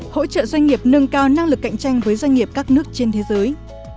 hỗ trợ doanh nghiệp nâng cao năng lực cạnh tranh với doanh nghiệp các nước trên thế giới